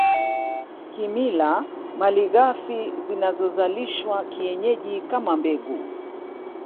Kimila malighafi zinazozalishwa kienyeji kama mbegu